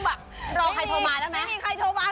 ไม่มีใครโทรมา